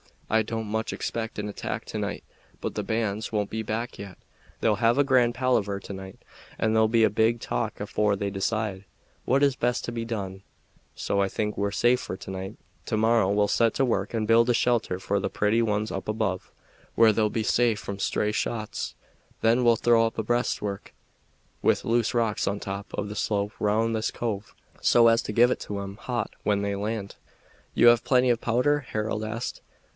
I don't much expect an attack to night the bands won't be back yet. They'll have a grand palaver to night, and there'll be a big talk afore they decide what is best to be done; so I think we're safe for to night. To morrow we'll set to work and build a shelter for the pretty ones up above, where they'll be safe from stray shots. Then we'll throw up a breastwork with loose rocks on the top of the slope round this cove, so as to give it to 'em hot when they land." "You have plenty of powder?" Harold asked.